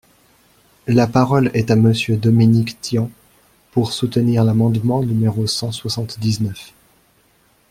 La parole est à Monsieur Dominique Tian, pour soutenir l’amendement numéro cent soixante-dix-neuf.